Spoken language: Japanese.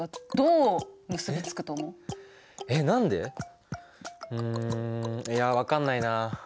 うんいや分かんないな。